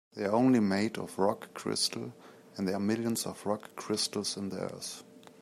They're only made of rock crystal, and there are millions of rock crystals in the earth.